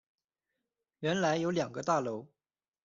原来有两个大楼